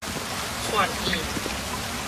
串穎